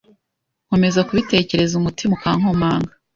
nkomeza kubitekereza umutima ukankomanga